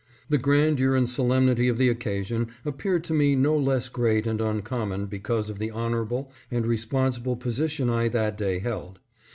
The grandeur and solemnity of the occasion appeared to me no less great and uncommon because of the honorable and responsible position I that day held.